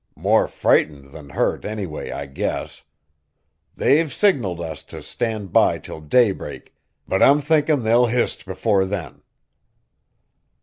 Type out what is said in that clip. More frightened than hurt anyway, I guess. They've signalled us t' stand by till daybreak, but I'm thinkin' they'll hist before then!"